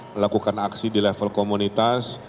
melakukan aksi di level komunitas